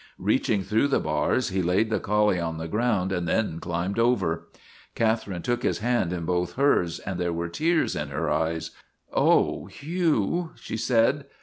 Reaching through the bars he laid the collie on the ground and then climbed over. Catherine took his hand in both hers, and there were tears in her eyes. " Oh, Hugh," she said.